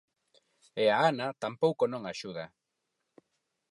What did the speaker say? E a Ana tampouco non axuda.